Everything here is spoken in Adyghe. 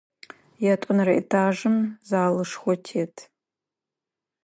Ятӏонэрэ этажым залышхо тет.